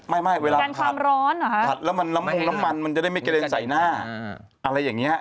ไม่เวลาถัดถัดแล้วมันน้ำมุมน้ำมันมันจะได้ไม่กระเด็นใส่หน้าอะไรอย่างนี้